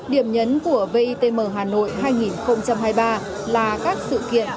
điểm nhấn của vitm hà nội hai nghìn hai mươi ba là các sự kiện